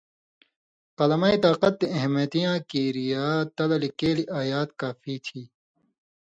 قلمَیں طاقت تے اہمیتی یاں کریا تلہ لکیلیۡ آیات کافی تھی۔